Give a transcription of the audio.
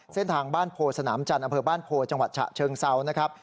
เส้นทางบ้านโพสนามจันทร์อำเภอบ้านโพจังหวัดฉะเชิงเซานะครับ